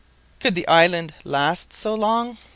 Could the island last so long?